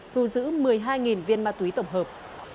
thu giữ một mươi hai viên ma túy tổng hợp